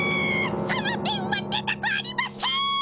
その電話出たくありません。